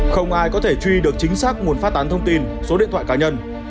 không ai có thể truy được chính xác nguồn phát tán thông tin số điện thoại cá nhân